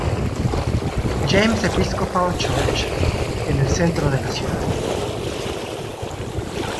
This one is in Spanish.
James 'Episcopal Church en el centro de la ciudad..